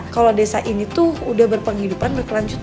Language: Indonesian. kalau desa ini tuh udah berpenghidupan berkelanjutan